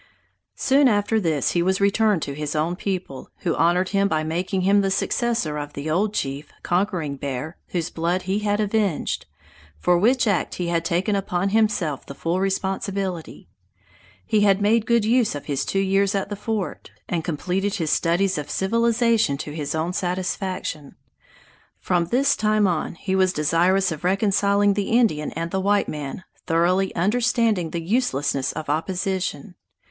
Soon after this he was returned to his own people, who honored him by making him the successor of the old chief, Conquering Bear, whose blood he had avenged, for which act he had taken upon himself the full responsibility. He had made good use of his two years at the fort, and completed his studies of civilization to his own satisfaction. From this time on he was desirous of reconciling the Indian and the white man, thoroughly understanding the uselessness of opposition.